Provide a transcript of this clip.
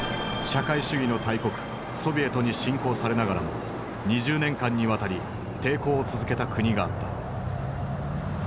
社会主義の大国ソビエトに侵攻されながらも２０年間にわたり抵抗を続けた国があった。